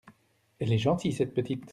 Elle est gentille, cette petite…